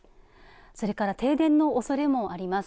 それから停電のおそれもあります。